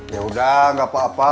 yaudah nggak apa apa